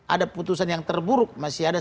ada putusan yang terburuk masih ada